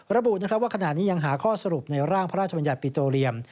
ระบุว่าขณะนี้ยังหาข้อสรุปในร่างพระราชบัญญัติปิโตเรียม